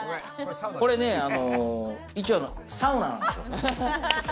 これね、あの一応サウナなんですよ。